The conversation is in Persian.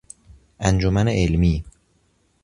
انجمن علمی